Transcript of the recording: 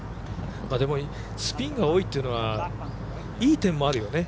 スピンが多いっていうのはいい点もあるよね。